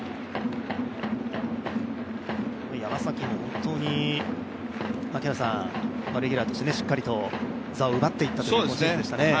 山崎も本当にレギュラ−としてしっかりと座を奪ってきたシーズンでしたね。